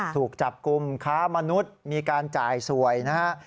ถูกจับกลุ่มค้ามนุษย์มีการจ่ายสวยนะฮะ